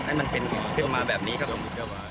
ให้มันเปลี่ยนมาแบบนี้ครับ